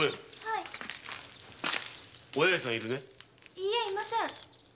いいえいません。